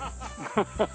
ハハハハ。